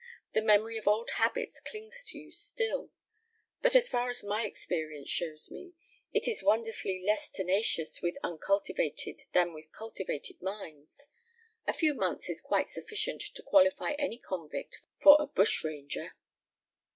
The memory of old habits clings to you still; but as far as my experience shows me, it is wonderfully less tenacious with uncultivated than with cultivated minds. A few months is quite sufficient to qualify any convict for a bushranger."